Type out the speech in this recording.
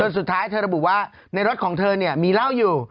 สุดท้ายเธอระบุว่าในรถของเธอมีเหล้าอยู่